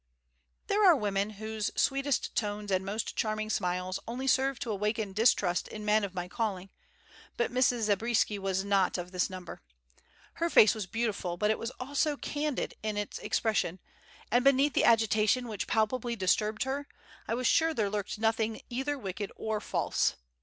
There are women whose sweetest tones and most charming smiles only serve to awaken distrust in men of my calling; but Mrs. Zabriskie was not of this number. Her face was beautiful, but it was also candid in its expression, and beneath the agitation which palpably disturbed her, I was sure there lurked nothing either wicked or false.